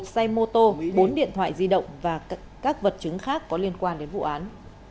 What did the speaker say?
một xe mô tô bốn điện thoại di động và các vật chứng khác có liên quan đến vụ án